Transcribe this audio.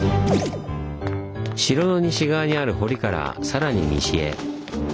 城の西側にある堀からさらに西へ。